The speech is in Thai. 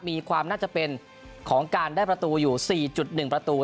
มีความน่าจะเป็นของการได้ประตูอยู่สี่จุดหนึ่งประตู